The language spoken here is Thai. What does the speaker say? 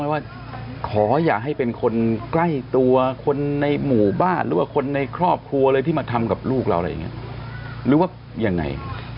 ว่าขออย่าให้เป็นคนใกล้ตัวคนในหมู่บ้านหรือว่าคนในครอบครัวเลยที่มาทำกับลูกเราอะไรอย่างนี้หรือว่ายังไง